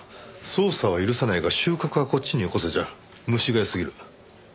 捜査は許さないが収穫はこっちによこせじゃ虫が良すぎる。